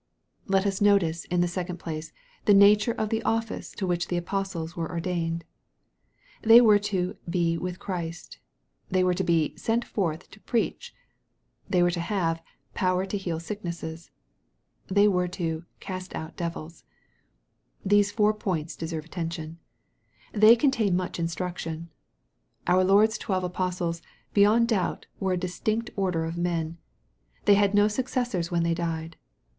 Let us notice, in the second place, the nature of the office to which the apostles were ordained. They were to "be with Christ." They were to be "sent forth to preach." They were to have " power to heal sicknesses." They were to " cast out devils." These four points deserve attention. They contain much instruction. Our Lord's twelve apostles, beyond doubt, were a distinct order of men. They had no successors when they died.